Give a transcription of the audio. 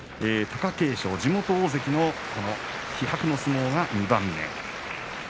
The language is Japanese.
貴景勝、地元大関の気迫の相撲が２番目。